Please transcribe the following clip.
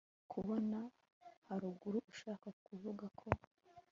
kubona haruguru ushaka kuvuga ko